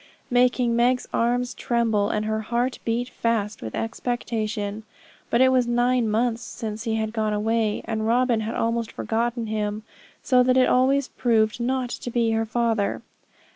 making Meg's arms tremble, and her heart beat fast with expectation. But it was nine months since he had gone away, and Robin had almost forgotten him, so that it always proved not to be her father.